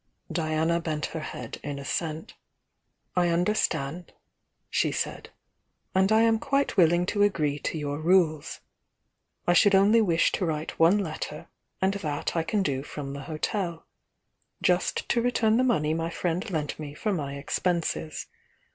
Diana bent her head in assent. "I understand," she said — "And I am quite willing to agree to your rules. I should only wish to write one letter, and that I can do from the hotel, — just to return the money my friend lent me for my ex penses.